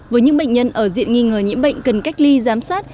với những bệnh nhân ở diện nghi ngờ nhiễm bệnh cần cách ly giám sát